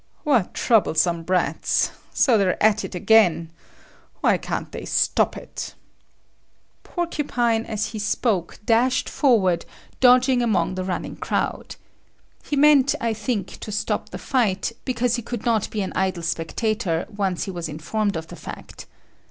"What troublesome brats! So they're at it again, eh? Why can't they stop it!" Porcupine, as he spoke, dashed forward, dodging among the running crowd. He meant, I think, to stop the fight, because he could not be an idle spectator once he was informed of the fact.